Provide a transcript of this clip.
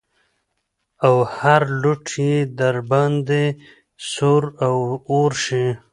او هر لوټ يې د درباندې سور اور شي.